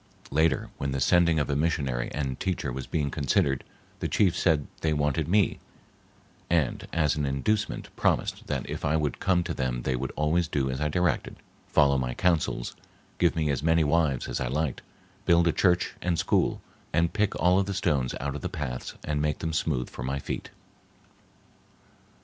Later, when the sending of a missionary and teacher was being considered, the chief said they wanted me, and, as an inducement, promised that if I would come to them they would always do as I directed, follow my councils, give me as many wives as I liked, build a church and school, and pick all the stones out of the paths and make them smooth for my feet.